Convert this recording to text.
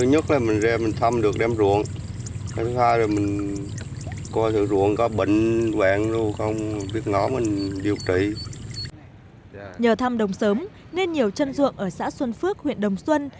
nhờ thăm đồng sớm nên nhiều chân ruộng ở xã xuân phước huyện đồng xuân